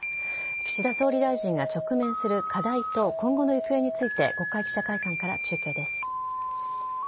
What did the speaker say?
岸田総理大臣が直面する課題と今後の行方について国会記者会館から中継です。